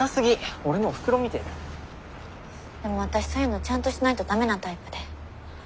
でも私そういうのちゃんとしないとダメなタイプで。